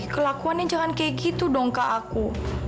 kelakuannya jangan kaya gitu dong ke aku